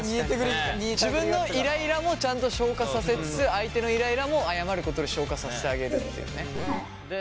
自分のイライラもちゃんと消化させつつ相手のイライラも謝ることで消化させてあげるっていうね。